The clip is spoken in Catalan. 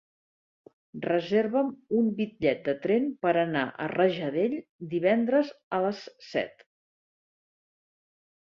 Reserva'm un bitllet de tren per anar a Rajadell divendres a les set.